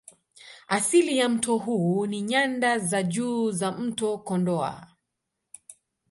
Asili ya mto huu ni Nyanda za Juu za mto Kondoa